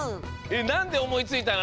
なんでおもいついたの？